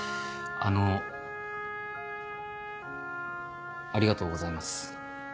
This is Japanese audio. ありがとうございます。